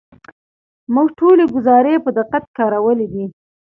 موږ ټولې ګزارې په دقت کارولې دي.